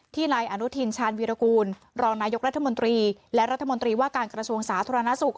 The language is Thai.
นายอนุทินชาญวีรกูลรองนายกรัฐมนตรีและรัฐมนตรีว่าการกระทรวงสาธารณสุข